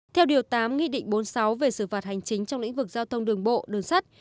theo điều tám nghị định bốn mươi sáu về xử phạt hành chính trong lĩnh vực giao thông đường bộ đường sắt